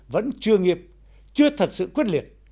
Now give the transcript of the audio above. vẫn chưa nghiệp chưa thật sự quyết liệt